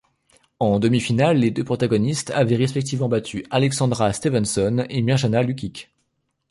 En demi-finale, les deux protagonistes avaient respectivement battu Alexandra Stevenson et Mirjana Lučić.